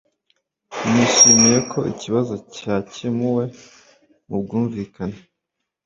Nishimiye ko ikibazo cyakemuwe mu bwumvikane